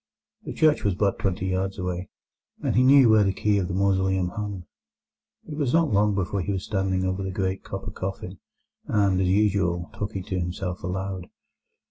The church was but twenty yards away, and he knew where the key of the mausoleum hung. It was not long before he was standing over the great copper coffin, and, as usual, talking to himself aloud.